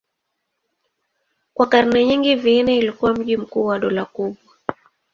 Kwa karne nyingi Vienna ilikuwa mji mkuu wa dola kubwa.